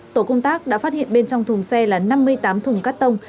tổ công tác đã phát hiện bên trong thùng xe là năm mươi tám thùng cắt tông